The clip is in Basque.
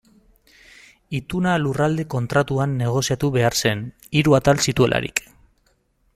Ituna Lurralde Kontratuan negoziatu behar zen, hiru atal zituelarik.